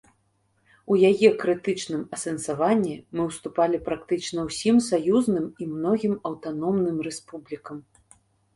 У яе крытычным асэнсаванні мы ўступалі практычна ўсім саюзным і многім аўтаномным рэспублікам.